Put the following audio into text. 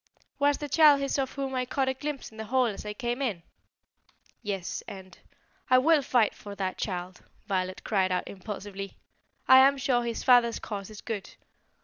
"Was the child his of whom I caught a glimpse in the hall as I came in?" "Yes, and " "I will fight for that child!" Violet cried out impulsively. "I am sure his father's cause is good.